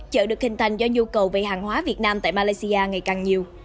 chợ được hình thành do nhu cầu về hàng hóa việt nam tại malaysia ngày càng nhiều